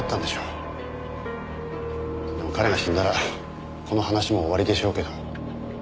でも彼が死んだらこの話も終わりでしょうけど。